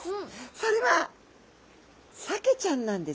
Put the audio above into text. それはサケちゃんなんですね。